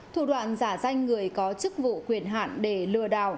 thủ đoạn giả danh người có chức vụ quyền hạn để lừa đảo